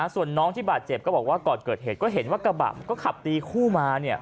ส่วนน้องที่บาดเจ็บก็บอกว่าก่อนเกิดเหตุก็เห็นว่ากระบะก็ขับตีคู่มา